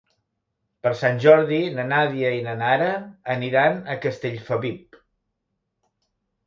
Per Sant Jordi na Nàdia i na Nara aniran a Castellfabib.